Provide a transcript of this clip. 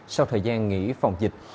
sau thời gian nghỉ phòng dịch